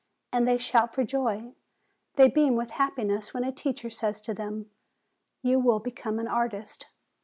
And they shout for joy, they beam with happiness when a teacher says to them, 'You will become an artist.'